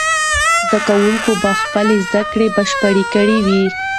زده کوونکي به خپله زده کړه بشپړه کړې وي.